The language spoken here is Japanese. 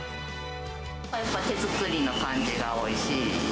手作りの感じがおいしい。